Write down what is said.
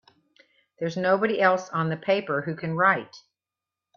There's nobody else on the paper who can write!